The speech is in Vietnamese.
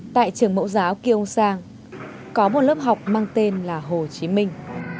tại trường mẫu giáo kiêu sang có một lớp học mang tên là hồ chí minh